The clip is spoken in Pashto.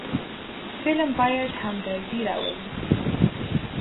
فلم باید همدردي راولي